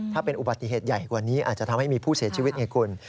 ถ้าเป็นอุบัติเหตุใหญ่กว่านี้อาจจะทำให้มีผู้เสียชีวิตไงคุณ